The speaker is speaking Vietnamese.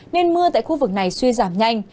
nên mưa tại khu vực này suy giảm nhanh